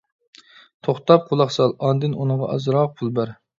توختاپ قۇلاق سال، ئاندىن ئۇنىڭغا ئازراق پۇل بەر.